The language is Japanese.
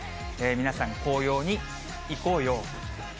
皆さん、紅葉にいこうよう。